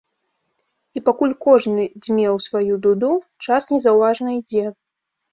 І пакуль кожны дзьме ў сваю дуду, час незаўважна ідзе.